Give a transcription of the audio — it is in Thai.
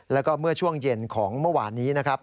แล้วก็เมื่อช่วงเย็นของเมื่อวานนี้นะครับ